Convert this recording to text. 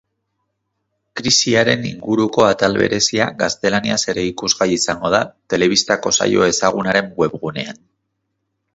Krisiaren inguruko atal berezia gaztelaniaz ere ikusgai izango da telebistako saio ezagunaren webgunean.